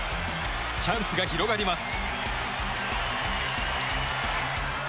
チャンスが広がります。